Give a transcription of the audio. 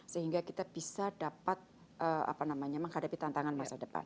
sehingga kita bisa dapat menghadapi tantangan masa depan